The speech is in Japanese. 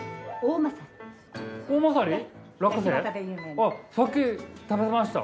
あっさっき食べました。